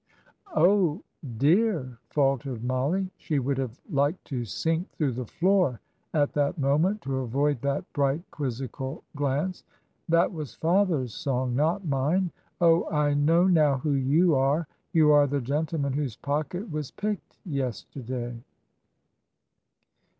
"Oh, dear," faltered Mollie she would have liked to sink through the floor at that moment, to avoid that bright, quizzical glance; "that was father's song, not mine. Oh, I know now who you are. You are the gentleman whose pocket was picked yesterday."